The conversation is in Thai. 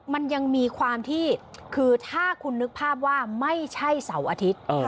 มันยังมีความที่คือถ้าคุณนึกภาพว่าไม่ใช่เสาร์อาทิตย์